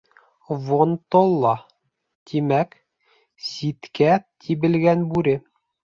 Вон-толла, тимәк, ситкә тибелгән бүре.